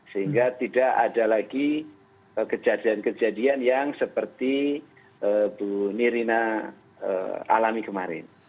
sehingga tidak ada lagi kejadian kejadian yang seperti bu nirina alami kemarin